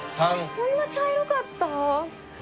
こんな茶色かった？